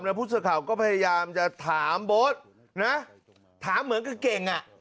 แล้วผู้เศรษฐ์ข่าวก็พยายามจะถามโบ๊ทถามเหมือนกันเก่ง